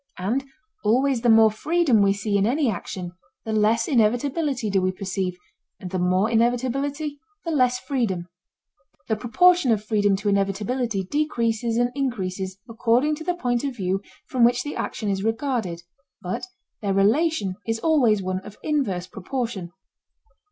And always the more freedom we see in any action the less inevitability do we perceive, and the more inevitability the less freedom. The proportion of freedom to inevitability decreases and increases according to the point of view from which the action is regarded, but their relation is always one of inverse proportion.